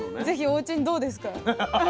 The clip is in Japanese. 是非おうちにどうですか？